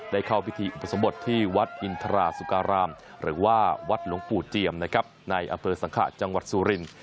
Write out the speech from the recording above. เข้าพิธีอุปสมบทที่วัดอินทราสุการามหรือว่าวัดหลวงปู่เจียมนะครับในอำเภอสังขะจังหวัดสุรินทร์